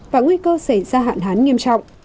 và nguy cơ sẽ ra hạn hán nghiêm trọng